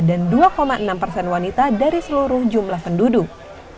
dan dua enam persen wanita dari seluruh jumlah penduduk